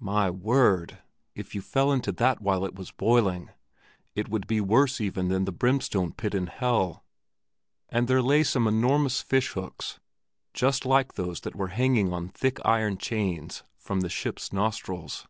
My word! If you fell into that while it was boiling, it would be worse even than the brimstone pit in hell. And there lay some enormous fish hooks, just like those that were hanging on thick iron chains from the ships' nostrils.